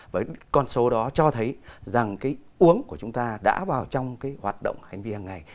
với con số đó cho thấy rằng cái uống của chúng ta đã vào trong cái hoạt động hành vi hàng ngày